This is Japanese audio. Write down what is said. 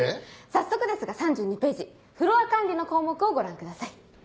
早速ですが３２ページフロア管理の項目をご覧ください。